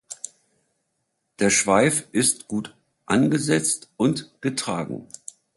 Der Schweif ist gut angesetzt und getragen.